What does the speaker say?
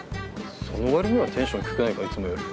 その割にはテンション低くないかいつもより。